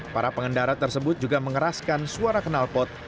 para pengendara tersebut juga mengeraskan suara kenalpot